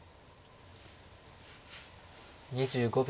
２５秒。